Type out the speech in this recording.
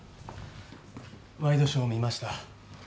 ワイドショー見ました。